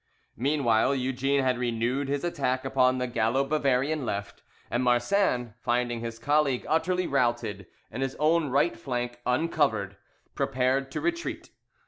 Meanwhile, Eugene had renewed his attack upon the Gallo Bavarian left, and Marsin, finding his colleague utterly routed, and his own right flank uncovered, prepared to retreat.